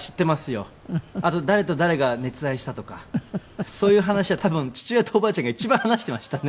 あと誰と誰が熱愛したとかそういう話は多分父親とおばあちゃんが一番話していましたね。